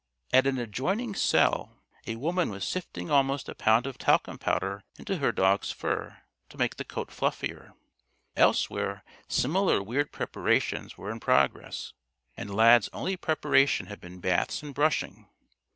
At an adjoining cell a woman was sifting almost a pound of talcum powder into her dog's fur to make the coat fluffier. Elsewhere similar weird preparations were in progress. And Lad's only preparation had been baths and brushing!